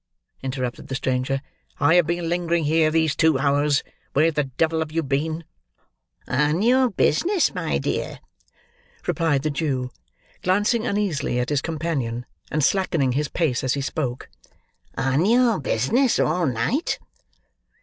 interrupted the stranger. "I have been lingering here these two hours. Where the devil have you been?" "On your business, my dear," replied the Jew, glancing uneasily at his companion, and slackening his pace as he spoke. "On your business all night."